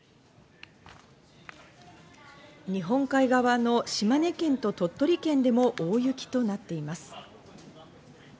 日本海側の島根県と鳥取県でも大雪となっています。